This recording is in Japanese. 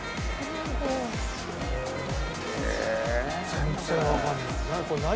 全然わかんない。